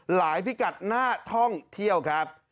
พิกัดน่าท่องเที่ยวครับ